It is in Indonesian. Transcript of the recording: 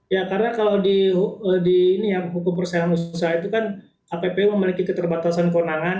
ya karena kalau di hukum persahabatan usaha itu kan kppu memiliki keterbatasan konangan